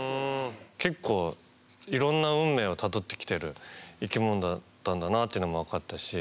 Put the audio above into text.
結構いろんな運命をたどってきてる生きものだったんだなっていうのが分かったし。